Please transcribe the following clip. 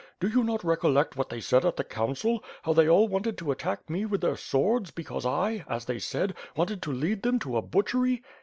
Do you not recollect what they said at the council? How they all wanted to attack me with their swords because I, as they said, wanted to lead them to a butchery?